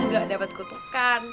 gak dapet kutukan